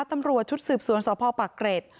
ตำรวจชุดสืบสวนสพปากเกร็ด